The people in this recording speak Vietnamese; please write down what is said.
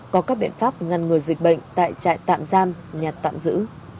có các biện pháp ngăn ngừa dịch bệnh tại trại tạm giam nhà tạm giữ